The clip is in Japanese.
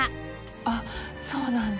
あっそうなんだ。